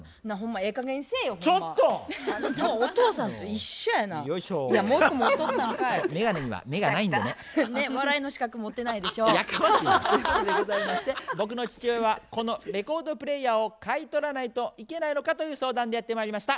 やかましい！ということでございまして僕の父親はこのレコードプレーヤーを買い取らないといけないのかという相談でやってまいりました。